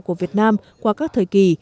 của việt nam qua các thời kỳ